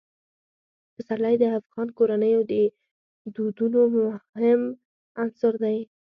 پسرلی د افغان کورنیو د دودونو مهم عنصر دی.